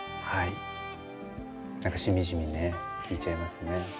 はいしみじみね聴いちゃいますね。